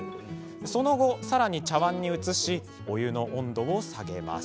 その後、さらに茶わんに移しお湯の温度を下げます。